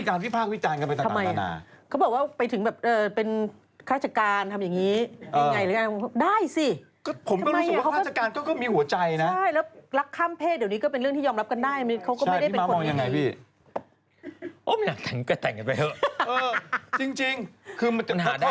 คือทำไมอะเขาบอกว่าไปถึงแบบเป็นคราชการทำอย่างนี้ยังไงหรือไงได้สิ